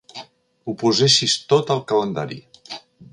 Ho posessis tot al calendari.